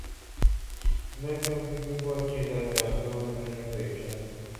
میں کمپیوٹرکو اچھی طرح جانتا ہوں انٹرنیٹ بھی اچھا ہے